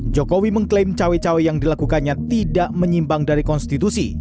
jokowi mengklaim cawe cawe yang dilakukannya tidak menyimbang dari konstitusi